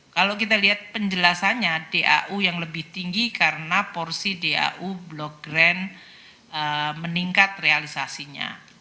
kalau kita lihat penjelasannya dau yang lebih tinggi karena porsi dau blok grand meningkat realisasinya